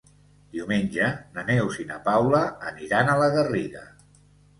Diumenge na Neus i na Paula aniran a la Garriga.